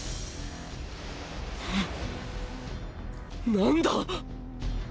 何だ